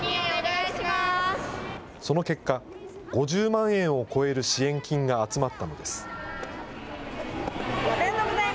その結果、５０万円を超える支援金が集まったのです。